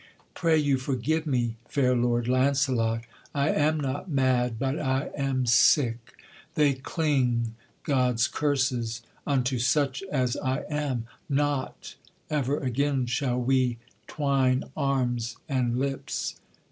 'Pray you forgive me, fair lord Launcelot! I am not mad, but I am sick; they cling, God's curses, unto such as I am; not Ever again shall we twine arms and lips.'